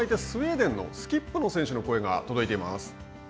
スウェーデンのスキップの選手の声が届いています。